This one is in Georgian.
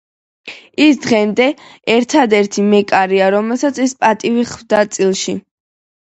ის დღემდე ერთადერთი მეკარეა, რომელსაც ეს პატივი ხვდა წილად.